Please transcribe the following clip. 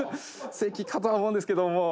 「正規かとは思うんですけども」